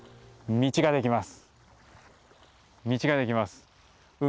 道ができます。